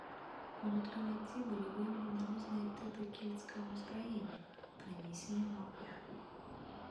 Унутры ладдзі былі выяўлены розныя тыпы кельцкага ўзбраення, прынесеныя ў ахвяру.